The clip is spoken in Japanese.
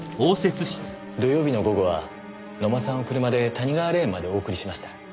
土曜日の午後は野間さんを車で谷川霊園までお送りしました。